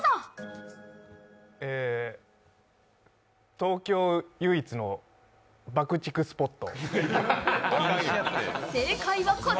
東京唯一の爆竹スポット。